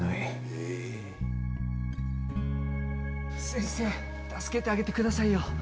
先生助けてあげてくださいよ。